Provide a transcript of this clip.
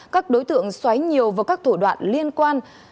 các đối tượng xoáy nhiều vào các thủ đoạn liên quan